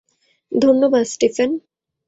ধন্যবাদ, স্টিফেন।